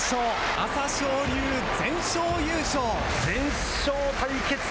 朝青龍全勝優勝。